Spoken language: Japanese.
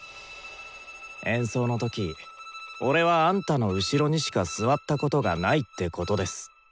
演奏の時俺はあんたの後ろにしか座ったことがないってことです。